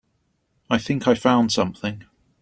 I think I found something.